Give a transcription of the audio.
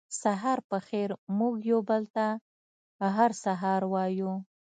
سهار پخېر موږ یو بل ته هر سهار وایو